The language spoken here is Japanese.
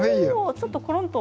ちょっとコロンと。